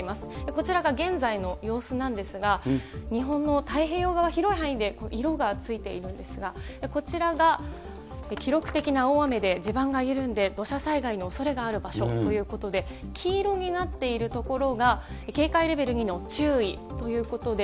こちらが現在の様子なんですが、日本の太平洋側、広い範囲で色がついているんですが、こちらが、記録的な大雨で地盤が緩んで、土砂災害のおそれがある場所ということで、黄色になっている所が、警戒レベル２の注意ということで、